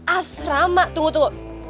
asrama tunggu tunggu